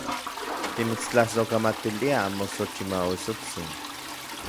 Timitstlasojkamatiliaj, moxochimauitsotsin.